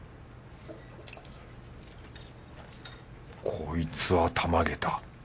こいつはたまげた。